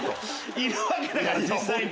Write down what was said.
いるわけだから実際に。